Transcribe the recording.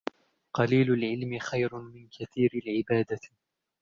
قَلِيلُ الْعِلْمِ خَيْرٌ مِنْ كَثِيرِ الْعِبَادَةِ